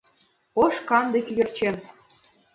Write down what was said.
- Ош-канде кӧгӧрчен